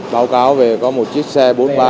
báo cáo về có một chiếc xe